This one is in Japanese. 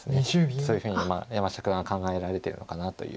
そういうふうに山下九段が考えられてるのかなという。